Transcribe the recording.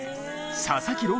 佐々木朗